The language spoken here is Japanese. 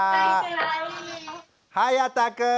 はやたくん。